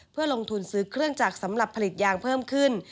เพื่อลงทุนซื้อเครื่องจักรสำหรับผลิตยางเพิ่มขึ้น